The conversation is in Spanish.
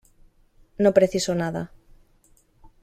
no preciso nada.